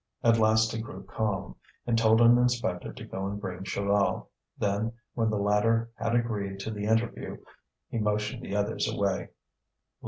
At last he grew calm, and told an inspector to go and bring Chaval; then, when the latter had agreed to the interview, he motioned the others away.